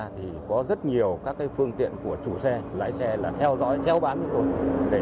thì có rất nhiều các cái phương tiện của chủ xe lái xe là theo dõi theo bán của chúng tôi